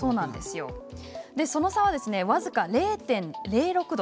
その差は僅か０．０６度。